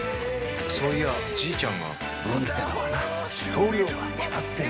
そういやじいちゃんが運ってのはな量が決まってるんだよ。